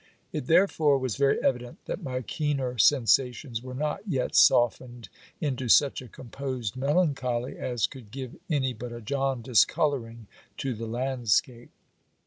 It therefore was very evident that my keener sensa tions were not yet softened into such a composed melancholy, as could give any but a jaundiced colouring to the landscape.